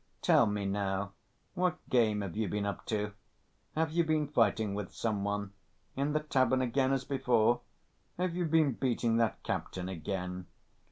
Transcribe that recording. "Tell me now, what game have you been up to? Have you been fighting with some one? In the tavern again, as before? Have you been beating that captain again?"